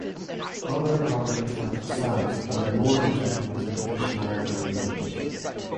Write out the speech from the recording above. Other properties have facades that are more in keeping with a traditional country village.